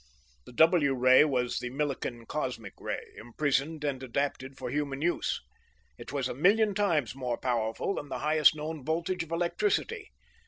The W ray was the Millikan cosmic ray, imprisoned and adapted for human use. It was a million times more powerful than the highest known voltage of electricity.